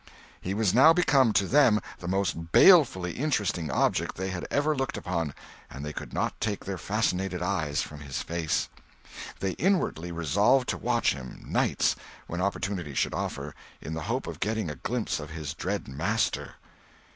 He was now become, to them, the most balefully interesting object they had ever looked upon, and they could not take their fascinated eyes from his face. They inwardly resolved to watch him nights, when opportunity should offer, in the hope of getting a glimpse of his dread master.